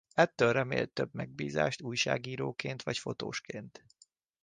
Ettől remélt több megbízást újságíróként vagy fotósként.